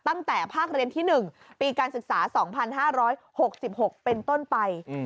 ตั้งแต่ภาคเรียนที่๑ปีการศึกษา๒๕๖๖เป็นต้นไป